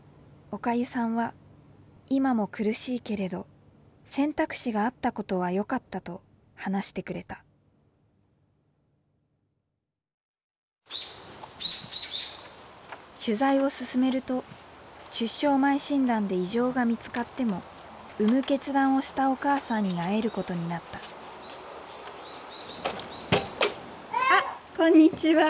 おかゆさんは「今も苦しいけれど選択肢があったことはよかった」と話してくれた取材を進めると出生前診断で異常が見つかっても生む決断をしたお母さんに会えることになったあっこんにちは。